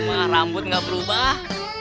lama rambut gak berubah